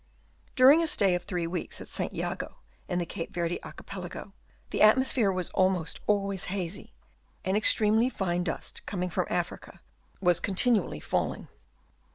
During a stay of three weeks at St. Jago in the Cape Yerde Archipelago, the atmosphere was almost always hazy, and ex tremely fine dust coming from Africa was con tinually falling.